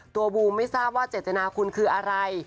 บูมไม่ทราบว่าเจตนาคุณคืออะไร